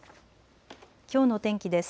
きょうの天気です。